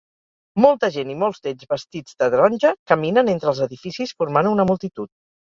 Molta gent i molts d'ells vestits de taronja caminen entre els edificis formant una multitud